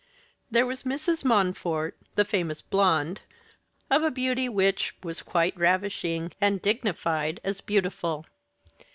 There was Mrs. Montfort, the famous blonde, of a beauty which was quite ravishing, and dignified as beautiful.